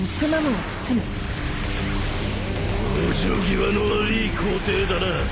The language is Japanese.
往生際の悪ぃ皇帝だな。